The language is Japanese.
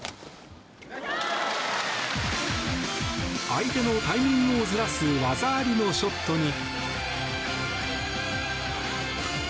相手のタイミングをずらす技ありのショットに。